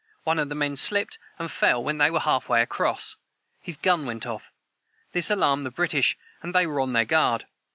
One of the men slipped and fell when they were half way across, and his gun went off. This alarmed the British, and they were on their guard.